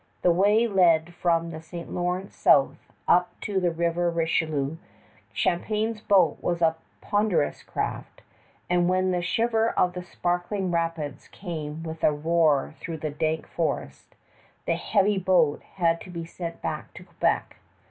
The way led from the St. Lawrence south, up the River Richelieu. Champlain's boat was a ponderous craft; and when the shiver of the sparkling rapids came with a roar through the dank forest, the heavy boat had to be sent back to Quebec.